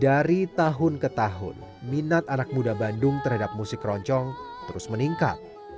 dari tahun ke tahun minat anak muda bandung terhadap musik keroncong terus meningkat